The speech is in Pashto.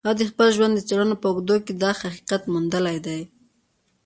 هغه د خپل ژوند د څېړنو په اوږدو کې دا حقیقت موندلی دی